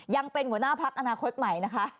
ยังเป็นหัวหน้าพักอนาคตใหม่นะคะ